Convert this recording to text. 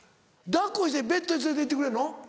抱っこしてベッドに連れて行ってくれるの？